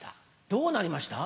どうなりました？